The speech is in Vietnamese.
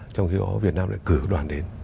trong khi đó việt nam lại cử đoàn đến